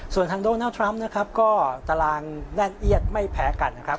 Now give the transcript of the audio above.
ส่วนทางโดนัลดทรัมป์นะครับก็ตารางแน่นเอียดไม่แพ้กันนะครับ